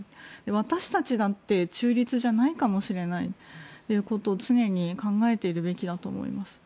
私たちだって中立じゃないかもしれないということを常に考えているべきだと思います。